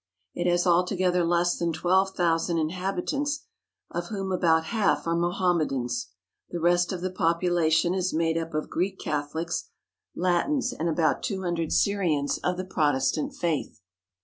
It has altogether less than twelve thousand inhabitants of whom about half are Mohammedans. The rest of the population is made up of Greek Catholics, Latins, and about two hun dred Syrians of the Protestant faith.